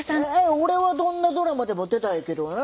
俺はどんなドラマでも出たいけどな。